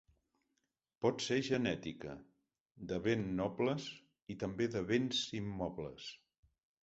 Pot ser genètica, de ben nobles, i també de béns immobles.